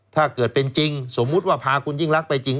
ถ้าเกิดเป็นจริงสมมุติว่าพาคุณยิ่งรักไปจริง